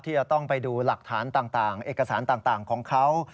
จะต้องไปดูหลักฐานต่างเอกสารต่างของเขา